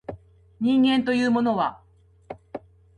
人間というものは